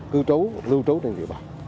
cư trấu lưu trấu trên địa bàn